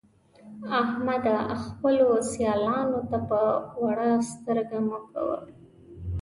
احمده! خپلو سيالانو ته په وړه سترګه مه ګوه.